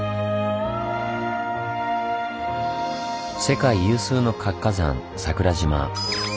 世界有数の活火山桜島。